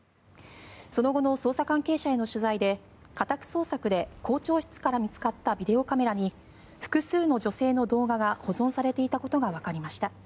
その後の捜査関係者への取材で家宅捜索で校長室から見つかったビデオカメラに複数の女性の動画が保存されていたことがわかりました。